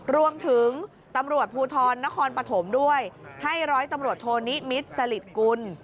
รวมถึงตำรวจภูทรนครปฐมด้วยให้ร้อยตำรวจโทนิมิตรสลิดกุล